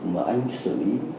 mà anh xử lý